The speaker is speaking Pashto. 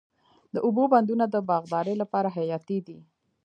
د اوبو بندونه د باغدارۍ لپاره حیاتي دي.